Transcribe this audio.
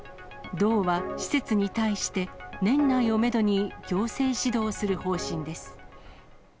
道は施設に対して、年内をメドに行政指導する方針です。